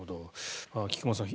菊間さん